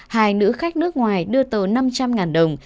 hai nữ khách nước ngoài đưa tàu năm trăm linh đồng